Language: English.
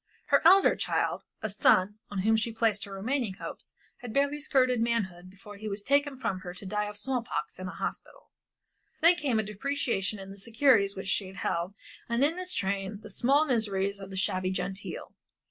Her elder child, a son, on whom she placed her remaining hopes, had barely skirted manhood before he was taken from her to die of small pox in a hospital. Then came a depreciation in the securities which she held and in its train the small miseries of the shabby genteel.